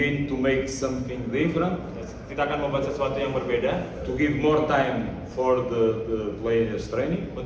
dengan dukungan dari manajemen kita akan membuat sesuatu yang berbeda untuk memberikan lebih banyak waktu untuk pelatih